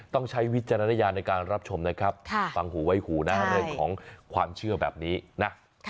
ใช้วิจารณญาณในการรับชมนะครับฟังหูไว้หูนะเรื่องของความเชื่อแบบนี้นะ